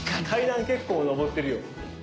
階段結構上ってるよ。